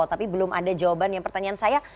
tapi belum ada jawaban yang pertanyaan saya